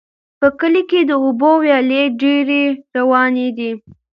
په کلي کې د اوبو ویالې ډېرې روانې دي.